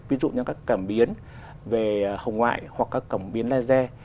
ví dụ như là các cảm biến về hồng ngoại hoặc các cảm biến laser